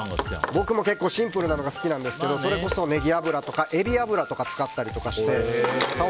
僕も結構シンプルなのが好きなんですけど、ネギ油とかエビ油とかにしたりして。